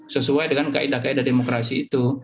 sesuai dengan kaedah kaedah demokrasi itu